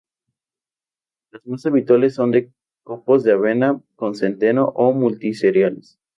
Las más habituales son de copos de avena, de centeno o multi-cereales.